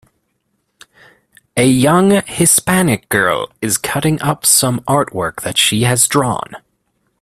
A young Hispanic girl is cutting up some artwork that she has drawn